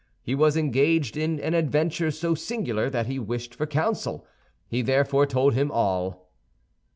He was engaged in an adventure so singular that he wished for counsel. He therefore told him all.